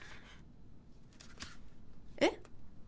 えっ？